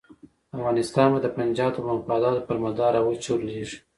افغانستان به د پنجاب د مفاداتو پر مدار را وچورلېږي.